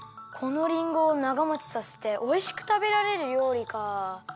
このりんごをながもちさせておいしくたべられるりょうりかあ。